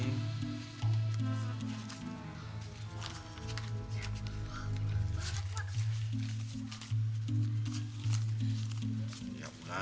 wah memang banget mak